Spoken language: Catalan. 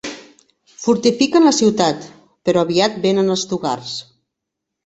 Fortifiquen la ciutat, però aviat venen els Tugars.